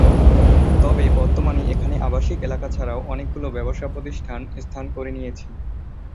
তবে বর্তমানে এখানে আবাসিক এলাকা ছাড়াও অনেকগুলো ব্যবসা প্রতিষ্ঠান স্থান করে নিয়েছে।